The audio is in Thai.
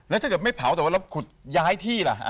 แล้วถ้าเกิดไม่เผาแต่ว่าเราขุดย้ายที่ล่ะ